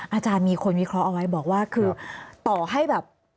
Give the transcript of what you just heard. อาจารย์มีคนวิเคราะห์เอาไว้บอกว่าคือต่อให้แบบ